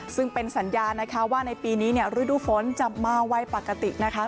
ซึ่งเป็นสัญญานะคะว่าในปีนี้เนี่ยฤดูฝนจะมาไวปกตินะคะ